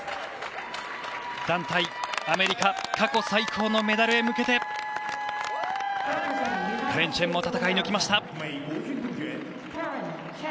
団体、アメリカ過去最高のメダルへ向けてカレン・チェンも戦い抜きました。